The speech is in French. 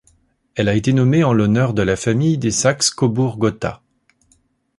Elle a été nommée en l'honneur de la famille des Saxe-Coburg-Gotha.